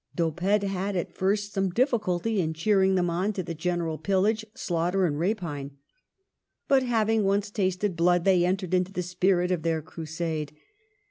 D'Oppede had at first some difficulty in cheering them on to the general pillage, slaughter, and rapine. But having once tasted blood, they entered into the spirit of their crusade.